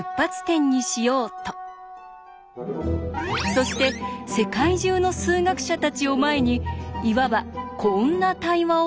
そして世界中の数学者たちを前にいわばこんな対話を進めていったんです。